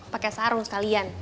pakai sarung sekalian